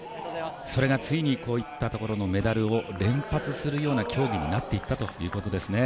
それがついにこういったところのメダルを連発するような競技になっていったというところですね。